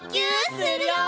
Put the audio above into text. するよ！